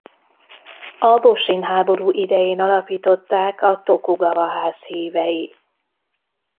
A Bosin-háború idején alapították a Tokugava-ház hívei.